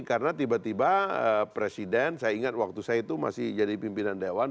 karena tiba tiba presiden saya ingat waktu saya itu masih jadi pimpinan dewan